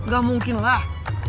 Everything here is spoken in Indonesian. gak mungkin lah